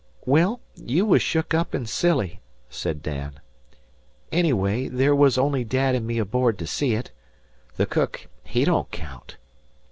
"Well, you was shook up and silly," said Dan. "Anyway, there was only dad an' me aboard to see it. The cook he don't count."